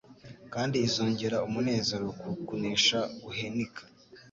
kandi izongera umunezero ku kunesha guhenika.